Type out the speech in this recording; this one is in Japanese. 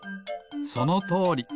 そのとおり。